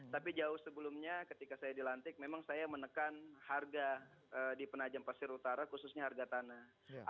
tapi jauh sebelumnya ketika saya dilantik memang saya menekan harga di penajam pasir utara khususnya harga tanah